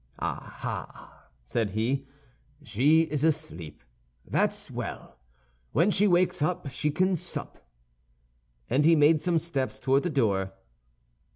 "Ah, ah!" said he, "she is asleep; that's well. When she wakes she can sup." And he made some steps toward the door.